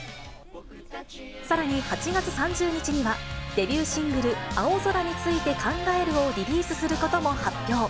さらに、８月３０日には、デビューシングル、青空について考えるをリリースすることも発表。